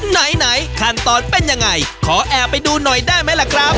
ไหนขั้นตอนเป็นยังไงขอแอบไปดูหน่อยได้ไหมล่ะครับ